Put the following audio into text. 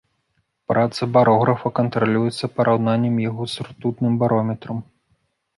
Праца барографа кантралюецца параўнаннем яго з ртутным барометрам.